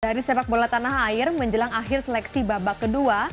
dari sepak bola tanah air menjelang akhir seleksi babak kedua